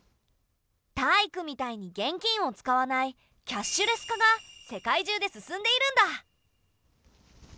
タイイクみたいに現金を使わないキャッシュレス化が世界中で進んでいるんだ。